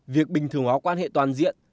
việc bình thường hóa quan hệ toàn diện